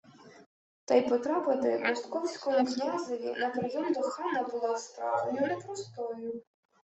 Та й потрапити московському князеві на прийом до хана було справою непростою